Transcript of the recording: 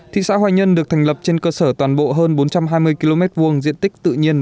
thị xã hoài nhân được thành lập trên cơ sở toàn bộ hơn bốn trăm hai mươi km hai diện tích tự nhiên